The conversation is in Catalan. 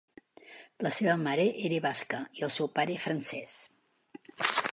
La seva mare era basca i el seu pare francès.